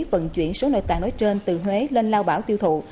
vận chuyển số nội tạng nói trên từ huế lên lao bảo tiêu thụ